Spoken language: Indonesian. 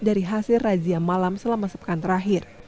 dari hasil razia malam selama sepekan terakhir